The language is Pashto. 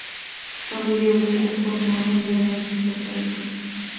هغوی یوځای د خوښ ماښام له لارې سفر پیل کړ.